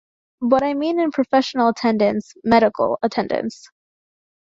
But I mean in professional attendance, medical attendance.